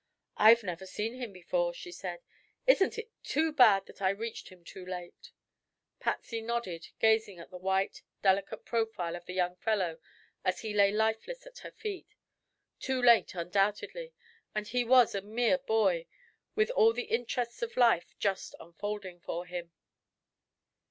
"I've never seen him before," she said. "Isn't it too bad that I reached him too late?" Patsy nodded, gazing at the white, delicate profile of the young fellow as he lay lifeless at her feet. Too late, undoubtedly; and he was a mere boy, with all the interests of life just unfolding for him.